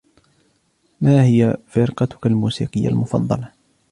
ما هي فرقَتُكَ الموسيقيّة المفضّلة؟